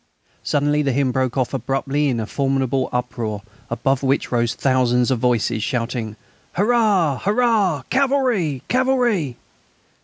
Suddenly the hymn broke off abruptly in a formidable uproar, above which rose thousands of voices shouting: "Hurrah! Hurrah! Cavalry! Cavalry!"